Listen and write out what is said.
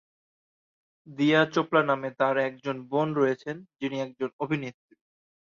দিয়া চোপড়া নামে তাঁর একজন বোন রয়েছেন, যিনি একজন অভিনেত্রী।